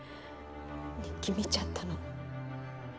日記見ちゃったの。